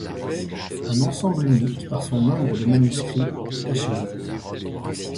Un ensemble unique par son nombre de manuscrits “Tachelhit”.